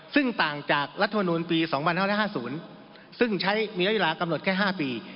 ซึ่งต่างจากรัฐมนูลปี๒๕๕๐ซึ่งใช้มีระยะเวลากำหนดแค่๕ปี